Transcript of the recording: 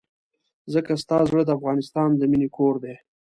ځکه ستا زړه د افغانستان د مينې کور دی.